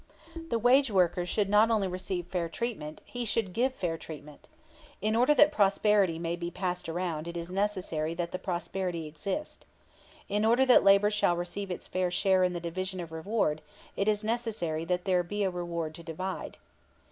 The wage worker should not only receive fair treatment; he should give fair treatment. In order that prosperity may be passed around it is necessary that the prosperity exist. In order that labor shall receive its fair share in the division of reward it is necessary that there be a reward to divide.